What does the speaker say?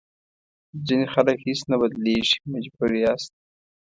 ځینې خلک هېڅ نه بدلېږي مجبور یاست.